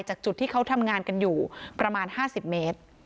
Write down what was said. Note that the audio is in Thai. จากจุดที่เขาทำงานกันอยู่ประมาณ๕๐เมตร